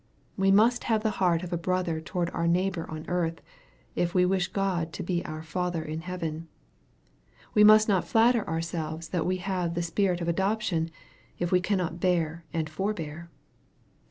We must the heart of a brother toward our neighbor on earth, if we wish God to be our Father in heaven. We must not flatter ourselves that we have the Spirit of adoption if we cannot bear and forbear.